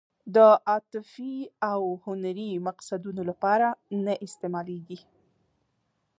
د عاطفي او هنري مقصدونو لپاره نه استعمالېږي.